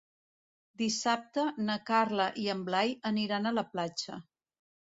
Dissabte na Carla i en Blai aniran a la platja.